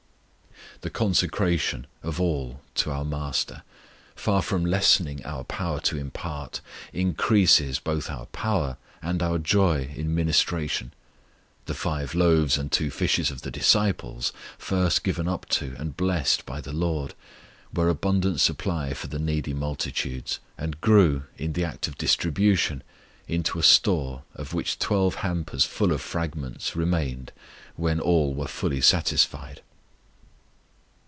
The consecration of all to our MASTER, far from lessening our power to impart, increases both our power and our joy in ministration. The five loaves and two fishes of the disciples, first given up to and blessed by the LORD, were abundant supply for the needy multitudes, and grew, in the act of distribution, into a store of which twelve hampers full of fragments remained when all were fully satisfied.